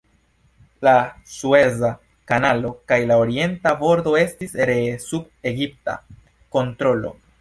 La Sueza Kanalo kaj la orienta bordo estis ree sub egipta kontrolo.